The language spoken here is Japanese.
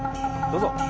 どうぞ！